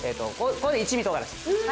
ここで一味唐辛子